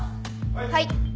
はい。